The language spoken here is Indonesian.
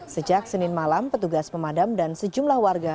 sejak senin malam petugas pemadam dan sejumlah warga